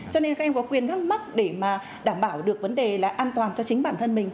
cho nên là các em có quyền gắt mắt để mà đảm bảo được vấn đề là an toàn cho chính bản thân mình